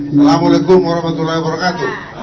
assalamualaikum warahmatullahi wabarakatuh